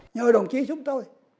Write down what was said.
nhờ đồng chí giúp tôi